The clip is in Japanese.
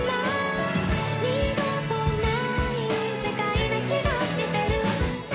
「二度とない世界な気がしてる」